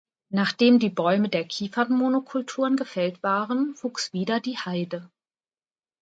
Nachdem die Bäume der Kiefern-Monokulturen gefällt waren, wuchs wieder die Heide.